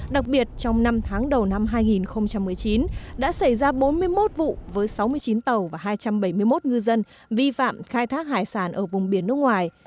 đặc biệt trong năm tháng đầu năm hai nghìn một mươi chín đã xảy ra bốn mươi một vụ với sáu mươi chín tàu và hai trăm bảy mươi một ngư dân vi phạm khai thác hải sản ở vùng biển nước ngoài